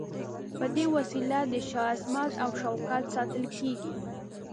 په دې وسیله د شاه عظمت او شوکت ساتل کیږي.